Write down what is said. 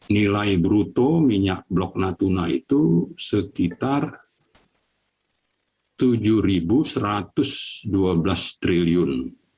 nilai bruto minyak blok natuna itu sekitar rp tujuh satu ratus dua belas triliun